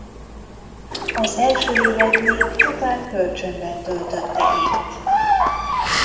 Az első évet még csupán kölcsönben töltötte itt.